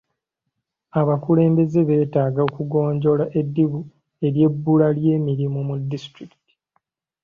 Abakulembeze beetaaga okugonjoola eddibu ery'ebbula ly'emirimu mu disitulikiti .